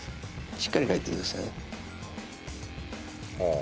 しっかり書いてください